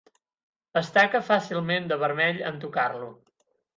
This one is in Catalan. Es taca fàcilment de vermell en tocar-lo.